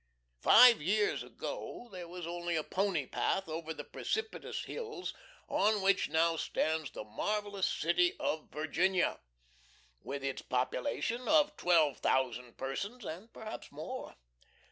.... Five years ago there was only a pony path over the precipitous hills on which now stands the marvelous city of Virginia, with its population of twelve thousand persons, and perhaps more.